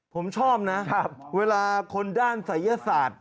ผมชอบนะเวลาคนด้านศัยยศาสตร์